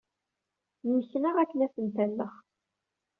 Nneknaɣ akken ad tent-alleɣ.